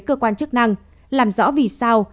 cơ quan chức năng làm rõ vì sao